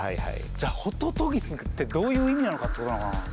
じゃホトトギスってどういう意味なのかってことなのかな。